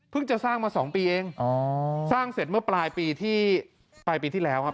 จะสร้างมา๒ปีเองสร้างเสร็จเมื่อปลายปีที่ปลายปีที่แล้วครับ